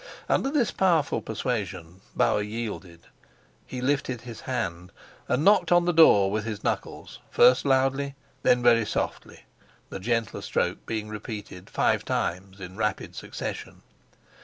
Under this powerful persuasion Bauer yielded. He lifted his hand and knocked on the door with his knuckles, first loudly, then very softly, the gentler stroke being repeated five times in rapid succession.